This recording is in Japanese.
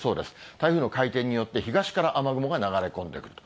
台風の回転によって、東から雨雲が流れ込んでくると。